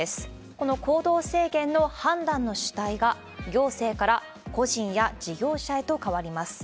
この行動制限の判断の主体が、行政から個人や事業者へと変わります。